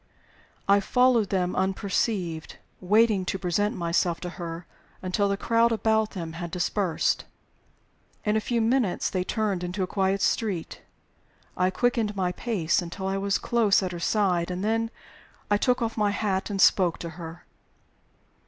I followed them unperceived, waiting to present myself to her until the crowd about them had dispersed. In a few minutes they turned into a quiet by street. I quickened my pace until I was close at her side, and then I took off my hat and spoke to her.